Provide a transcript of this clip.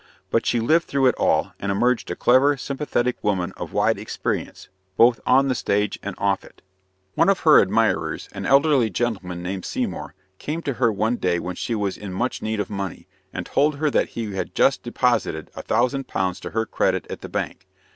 But she lived through it all, and emerged a clever, sympathetic woman of wide experience, both on the stage and off it. One of her admirers an elderly gentleman named Seymour came to her one day when she was in much need of money, and told her that he had just deposited a thousand pounds to her credit at the bank.